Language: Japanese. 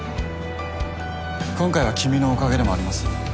今回は君のおかげでもあります。